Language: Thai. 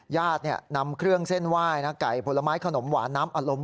ญาตินำเครื่องเส้นไหว้ไก่ผลไม้ขนมหวานน้ำอารมณ์